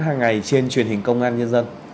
hàng ngày trên truyền hình công an nhân dân